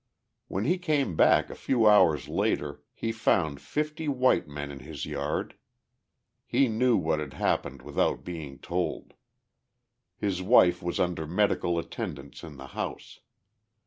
When he came back a few hours later, he found fifty white men in his yard. He knew what had happened without being told: his wife was under medical attendance in the house.